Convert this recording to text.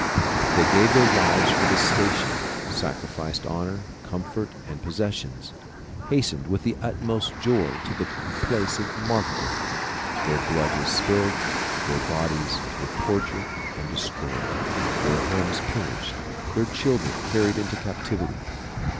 They gave their lives for this station, sacrificed honor, comfort and possessions, hastened with the utmost joy to the place of martyr dom; their blood was spilled, their bodies M^ere tortured and destroyed, their homes pillaged, their children carried into captivity.